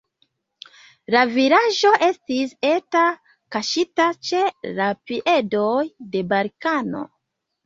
La vilaĝo estis eta, kaŝita ĉe la piedoj de Balkano.